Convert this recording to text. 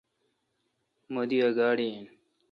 مہ دی ا گاڑی این۔